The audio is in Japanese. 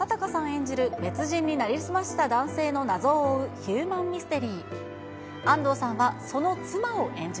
演じる別人に成り済ました男性の謎を追うヒューマンミステリー。